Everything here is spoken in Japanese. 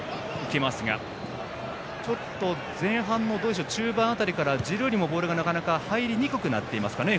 ちょっと前半の中盤辺りからジルーにもボールが、なかなか入りにくくなってますかね